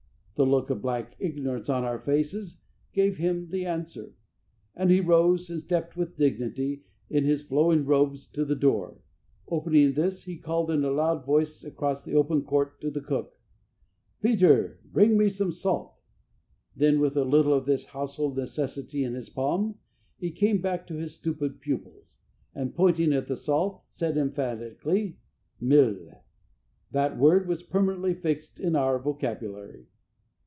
The look of blank ignorance on our faces gave him the answer, and he rose and stepped with dignity, in his flowing robes, to the door. Opening this, he called in a loud voice across the open court to the cook, "Peter, bring me some salt." Then with a little of this household necessity in his palm, he came back to his stupid pupils, and, pointing at the salt, said emphatically, "Milh." That word was permanently fixed in our vocabulary.